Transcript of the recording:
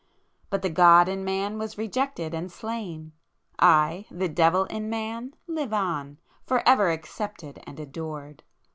But the God in Man was rejected and slain,—I, the Devil in Man live on, forever accepted and adored!